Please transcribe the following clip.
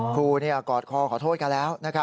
กอดคอขอโทษกันแล้ว